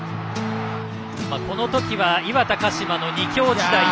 この時は磐田、鹿島の２強時代。